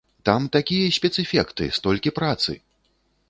Там такія спецэфекты, столькі працы!